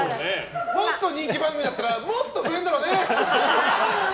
もっと人気番組だったらもっと増えるんだろうね！